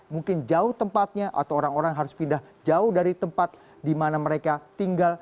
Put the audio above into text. mungkin jauh tempatnya atau orang orang harus pindah jauh dari tempat di mana mereka tinggal